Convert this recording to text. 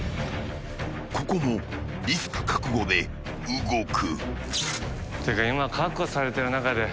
［ここもリスク覚悟で動く］